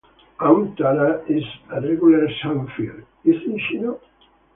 Aunt Tara is a regular samphire, is she not?